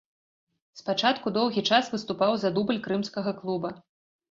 Спачатку доўгі час выступаў за дубль крымскага клуба.